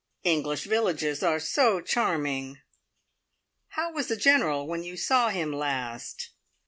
"English villages are so charming." "How was the General when you saw him last?"